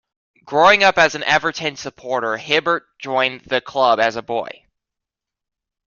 Growing up as an Everton supporter, Hibbert joined the club as a boy.